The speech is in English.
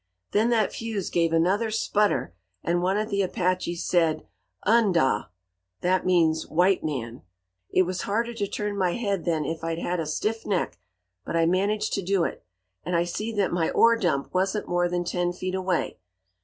"Then that fuse gave another sputter and one of the Apaches said, 'Un dah.' That means 'white man.' It was harder to turn my head than if I'd had a stiff neck; but I managed to do it, and I see that my ore dump wasn't more than ten foot away.